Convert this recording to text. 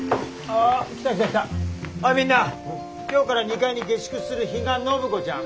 おいみんな今日から２階に下宿する比嘉暢子ちゃん。